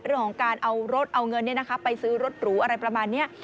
เรื่องของการเอารถเอาเงินไปซื้อรถหรูอะไรประมาณนี้